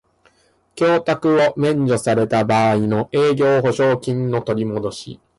供託を免除された場合の営業保証金の取りもどし